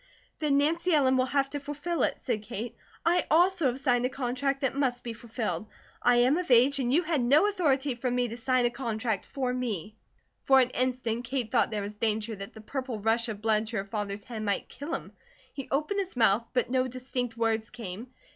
"Then Nancy Ellen will have to fulfill it," said Kate. "I also have signed a contract that must be fulfilled. I am of age, and you had no authority from me to sign a contract for me." For an instant Kate thought there was danger that the purple rush of blood to her father's head might kill him. He opened his mouth, but no distinct words came.